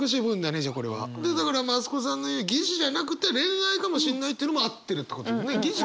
だから増子さんの言う疑似じゃなくて恋愛かもしんないというのも合ってるってことだね。